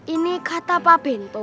ini kata pak benteng